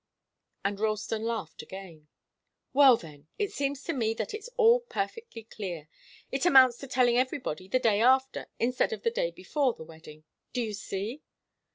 And Ralston laughed again. "Well, then it seems to me that it's all perfectly clear. It amounts to telling everybody the day after, instead of the day before the wedding. Do you see?"